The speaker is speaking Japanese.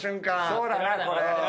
そうだなこれ。